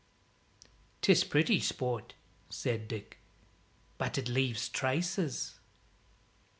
"'Tis pretty sport," said Dick, "but it leaves traces."